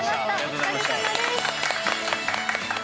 お疲れさまです。